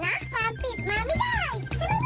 หลังติดมาไม่ได้ใช่มั๊ยมูมู